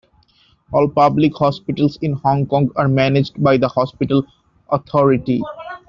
All public hospitals in Hong Kong are managed by the Hospital Authority.